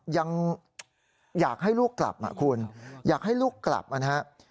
ยังอยากให้ลูกกลับคุณอยากให้ลูกกลับนะครับ